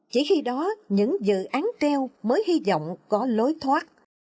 chỉ khi đó những dự án treo mới hy vọng có lối thoát